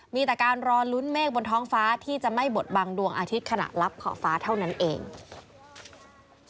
มีแต่การรอลุ้นเมฆบนท้องฟ้าที่จะไม่บดบังดวงอาทิตย์ขณะรับขอบฟ้าเท่านั้นเอง